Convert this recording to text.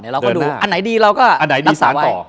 เราก็ดูอันไหนดีเราก็ลักษะไว้